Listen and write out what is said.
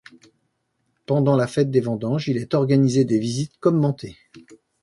Pendant la Fête des vendanges, il est organisé des visites commentées.